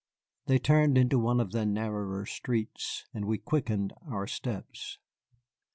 They turned into one of the narrower streets, and we quickened our steps.